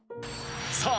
さあ